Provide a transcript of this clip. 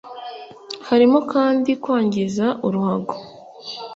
Harimo kandi kwangiza uruhago